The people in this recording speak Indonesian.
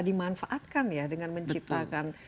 dimanfaatkan ya dengan menciptakan